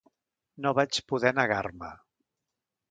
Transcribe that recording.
No vaig poder negar-me.